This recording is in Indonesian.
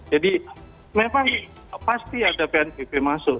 jadi memang pasti ada pnpp masuk